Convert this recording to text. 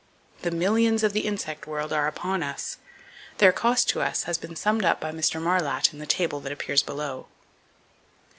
The millions of the insect world are upon us. Their cost to us has been summed up by Mr. Marlatt in the table that appears below.